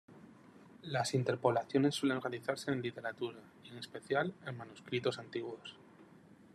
Las interpolaciones suelen realizarse en la literatura, y en especial, en manuscritos antiguos.